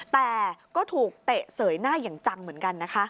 แต่ก็ถูกเตะเสยหน้าอย่างจังเหมือนกันนะคะ